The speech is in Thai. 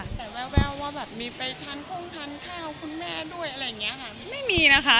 แต่แววว่ามีไปทานโค้งทานข้าวคุณแม่ด้วยอะไรอย่างนี้ค่ะ